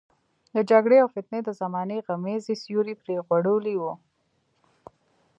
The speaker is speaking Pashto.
د جګړې او فتنې د زمانې غمیزې سیوری پرې غوړولی وو.